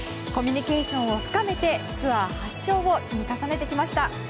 コミュニケーションを深めてツアー８勝を積み重ねてきました。